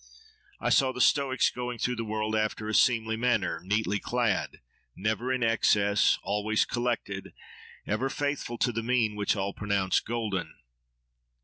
I saw the Stoics going through the world after a seemly manner, neatly clad, never in excess, always collected, ever faithful to the mean which all pronounce 'golden.